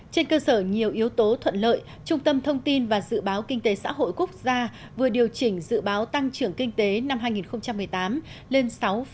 trên cơ sở nhiều yếu tố thuận lợi trung tâm thông tin và dự báo kinh tế xã hội quốc gia vừa điều chỉnh dự báo tăng trưởng kinh tế năm hai nghìn một mươi tám lên sáu bảy